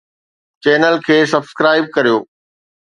channel کي subscribe ڪريو